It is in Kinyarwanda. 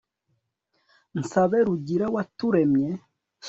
nsabe rugira waturemye